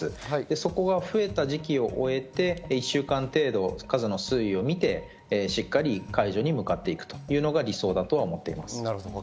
そこが増えた時期を終えて、１週間程度数字の推移を見て、しっかり解除に向かっていくというのが理想だと思っています。